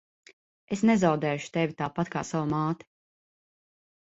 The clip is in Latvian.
Es nezaudēšu tevi tāpat kā savu māti.